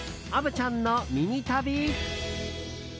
虻ちゃんのミニ旅。